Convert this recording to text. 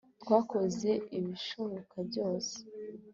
twakoze ibishoboka byose